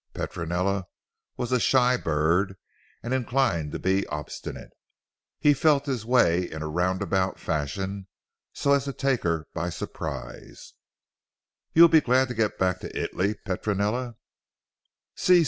Petronella was a shy bird, and inclined to be obstinate. He felt his way in a round about fashion, so as to take her by surprise. "You will be glad to get back to Italy Petronella?"